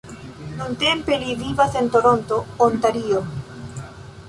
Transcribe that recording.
Nuntempe li vivas en Toronto, Ontario.